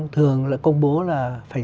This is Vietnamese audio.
thường là công bố là phải